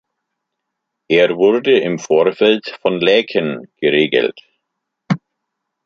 Er wurde im Vorfeld von Laeken geregelt.